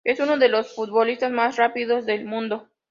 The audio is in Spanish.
Es uno de los futbolistas más rápidos del mundo.